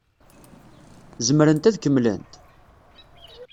Zemrent ad kemmlent?